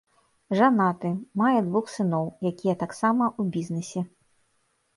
Жанаты, мае двух сыноў, якія таксама ў бізнэсе.